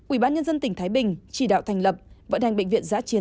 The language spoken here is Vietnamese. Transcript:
ủy ban nhân dân tỉnh thái bình chỉ đạo thành lập vận hành bệnh viện giã chiến